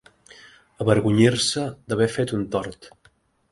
Avergonyir-se d'haver fet un tort.